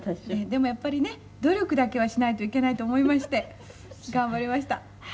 「でもやっぱりね努力だけはしないといけないと思いまして頑張りました」